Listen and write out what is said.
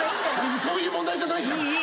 そういう問題じゃないじゃん。